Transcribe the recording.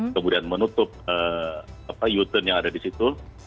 kemudian menutup u turn yang ada di situ